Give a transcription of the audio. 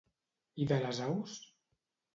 I de les aus?